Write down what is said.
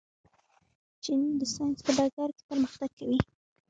چین د ساینس په ډګر کې پرمختګ کوي.